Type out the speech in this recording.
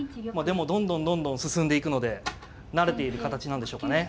でもどんどんどんどん進んでいくので慣れている形なんでしょうかね。